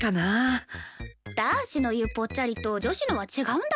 男子の言うぽっちゃりと女子のは違うんだよ。